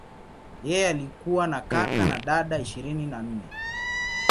Yeye alikuwa na kaka na dada ishirini na nne.